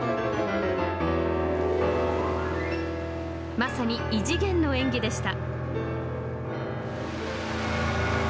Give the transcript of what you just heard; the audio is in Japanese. まさに、異次元の演技でした。